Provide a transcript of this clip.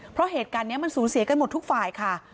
เพราะเหตุการณ์นี้มันสูญเสียกันหมดทุกฝ่ายค่ะ